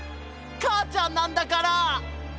かあちゃんなんだから！